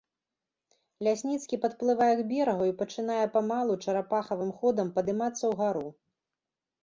Лясніцкі падплывае к берагу і пачынае памалу, чарапахавым ходам падымацца ўгару.